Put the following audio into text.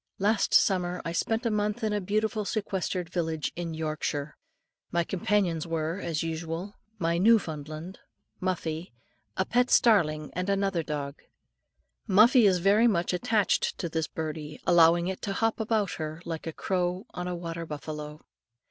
Last summer I spent a month in a beautiful sequestered village in Yorkshire. My companions were, as usual, my Newfoundland, Muffie, a pet starling, and another dog. Muffie is very much attached to this birdie, allowing it to hop about her, like a crow on a water buffalo.